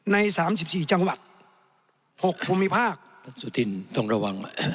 ในสามสิบสี่จังหวัดหกภูมิภาคสุดทินต้องระวัง